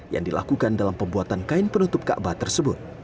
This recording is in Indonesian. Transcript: yang dilakukan dalam pembuatan kain penutup kaabah tersebut